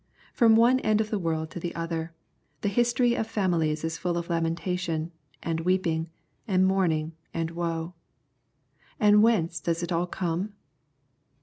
From one end of the world to the other, the history of families is full of lamentation^ and weep ing, and mourning, and woe. And whence does it all come